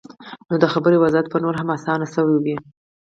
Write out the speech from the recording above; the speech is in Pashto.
نو د خبرې وضاحت به نور هم اسان شوے وۀ -